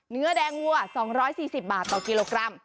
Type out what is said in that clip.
เนื้อแดงวัว๒๔๐บาทต่อกิโลกรัม